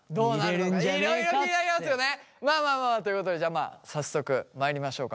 まあまあまあまあということでじゃあまあ早速まいりましょうか。